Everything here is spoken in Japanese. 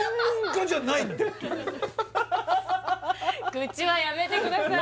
愚痴はやめてください